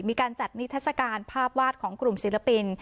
มีการจัดนิทัศกาลภาพวาดของกลุ่มศิลปิน